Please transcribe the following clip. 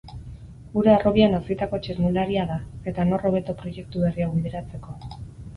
Gure harrobian hazitako txirrindularia da, eta nor hobeto proiektu berri hau bideratzeko.